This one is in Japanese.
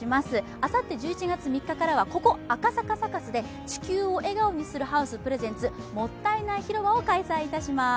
あさって１１月３日からはここ赤坂サカスで地球を笑顔にするＨＯＵＳＥｐｒｅｓｅｎｔｓ「もったいない広場」を開催いたします。